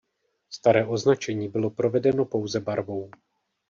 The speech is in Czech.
Staré označení bylo provedeno pouze barvou.